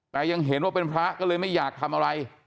แต่ยังเห็นว่าเป็นพระก็เลยไม่อยากทำอะไร